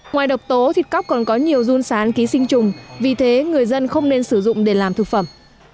ngoài độc tố thịt cóc còn có nhiều run sán ký sinh trùng vì thế người dân không nên sử dụng để làm thực phẩm